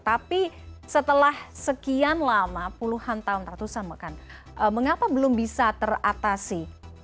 tapi setelah sekian lama puluhan tahun ratusan bahkan mengapa belum bisa teratasi